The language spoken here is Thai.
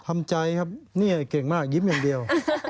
ทำใจครับเนี่ยเก่งมากยิ้มอย่างเดียว